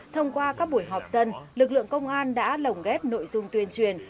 thông qua các buổi họp dân lực lượng công an đã lồng ghép nội dung tuyên truyền